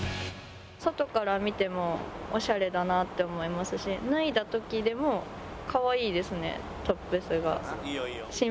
外から見てもオシャレだなって思いますし脱いだ時でも可愛いですねトップスが。